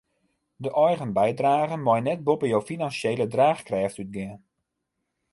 De eigen bydrage mei net boppe jo finansjele draachkrêft útgean.